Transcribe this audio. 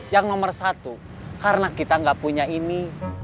yang nomor satu karena kita nggak punya ini